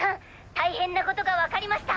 大変なことがわかりました！